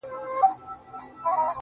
هره موسکا ارزښت لري.